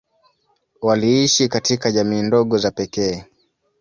Waliishi katika jamii ndogo za pekee.